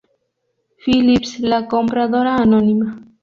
Phillips, la compradora anónima.